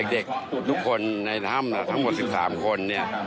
เด็กทุกคนในถ้ำทั้งหมด๑๓คนเนี่ย